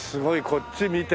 こっち見て。